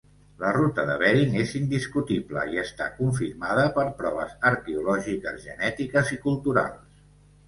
La ruta de Bering és indiscutible i està confirmada per proves arqueològiques, genètiques i culturals.